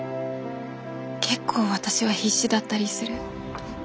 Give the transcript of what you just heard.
結構私は必死だったりする。